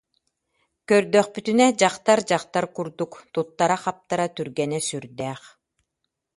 Көрдөхпүтүнэ, дьахтар дьахтар курдук, туттара-хаптара түргэнэ сүрдээх